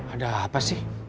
ada apa sih